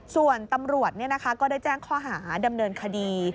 ส่วนตำรวจก็ได้แจ้งข้อหาดำเนินคดี